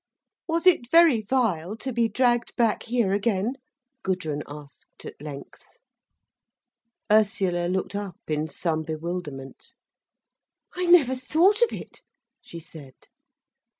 "Was it very vile to be dragged back here again?" Gudrun asked at length. Ursula looked up in some bewilderment. "I never thought of it," she said.